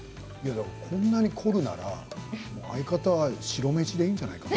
こんなに凝るなら相方は白飯でいいんじゃないかしら？